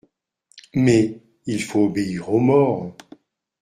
Mais … Il faut obéir aux morts.